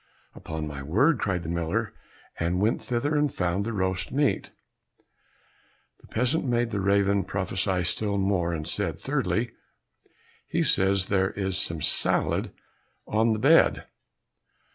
"Upon my word!" cried the miller, and went thither, and found the roast meat. The peasant made the raven prophesy still more, and said, "Thirdly, he says that there is some salad on the bed."